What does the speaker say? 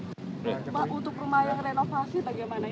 pak untuk rumah yang renovasi bagaimana